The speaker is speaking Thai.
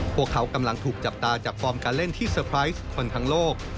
พวกเขากำลังถูกจับตาจากฟอร์มการเล่นที่เตอร์ไพรส์คนทั้งโลก